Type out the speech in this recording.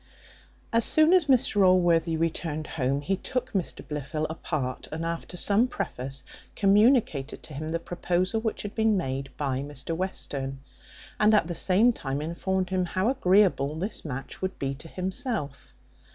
As soon as Mr Allworthy returned home, he took Mr Blifil apart, and after some preface, communicated to him the proposal which had been made by Mr Western, and at the same time informed him how agreeable this match would be to himself.